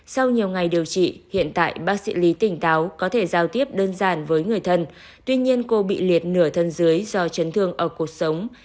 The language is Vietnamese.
sau nhiều ngày điều trị hiện tại bác sĩ lý tỉnh táo có thể giao tiếp đơn giản với người thân tuy nhiên cô bị liệt nửa thân dưới do chấn thương ở cuộc sống